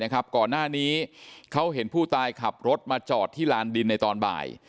ก่อนหน้านี้เขาเห็นผู้ตายขับรถมาจอดที่ลานดินในตอนบ่าย